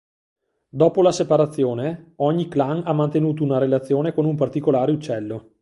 Dopo la separazione, ogni clan ha mantenuto una relazione con un particolare uccello.